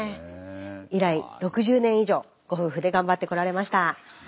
以来６０年以上ご夫婦で頑張ってこられました。